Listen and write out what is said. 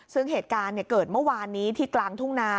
ซึ่งเหตุการณ์เกิดเมื่อวานนี้ที่กลางทุ่งนา